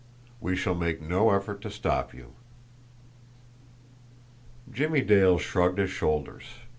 We shall make no effort to stop you." Jimmie Dale shrugged his shoulders.